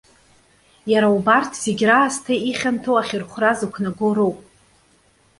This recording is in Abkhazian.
Иара убарҭ, зегьы раасҭа ихьанҭоу ахьырхәра зықәнагоу роуп.